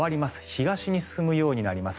東に進むようになります。